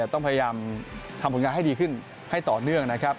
ต้องพยายามทำผลงานให้ดีขึ้นให้ต่อเนื่องนะครับ